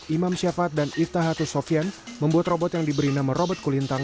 imam syafat dan iftahatus sofian membuat robot yang diberi nama robot kulintang